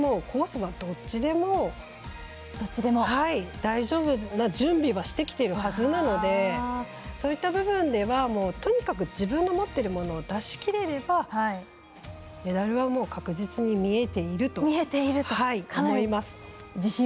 コースはどっちでも大丈夫な準備はしてきているはずなのでそういった部分ではとにかく自分が持っているものを出しきれればメダルはもう確実に見えていると思います。